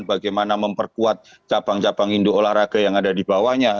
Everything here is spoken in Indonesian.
bagaimana memperkuat cabang cabang hindu olahraga yang ada di bawahnya